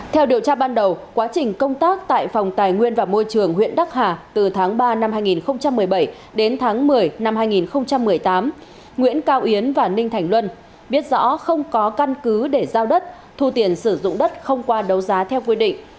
theo điều tra ban đầu quá trình công tác tại phòng tài nguyên và môi trường huyện đắc hà từ tháng ba năm hai nghìn một mươi bảy đến tháng một mươi năm hai nghìn một mươi tám nguyễn cao yến và ninh thành luân biết rõ không có căn cứ để giao đất thu tiền sử dụng đất không qua đấu giá theo quy định